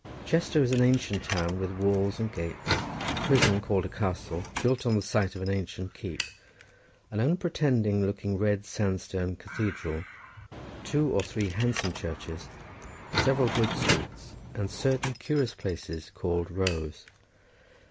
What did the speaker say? Chester is an ancient town with walls and gates, a prison called a castle, built on the site of an ancient keep, an unpretending looking red sandstone cathedral, two or three handsome churches, several good streets, and certain curious places called rows.